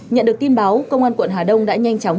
nhận được tin báo công an quận hà đông đã nhanh chóng